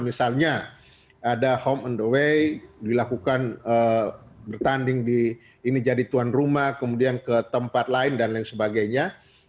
misalnya ada home on the way dilakukan bertanding di ini jadi tuan rumah kemudian ke tempat lain dan lain sebagainya